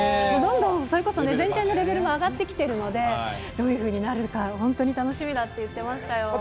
どんどん、それこそ全体のレベル上がってきているので、どういうふうになるか、本当に楽しみだって言ってましたよ。